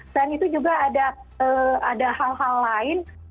dan itu juga ada hal hal lain